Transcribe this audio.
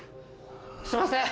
すいません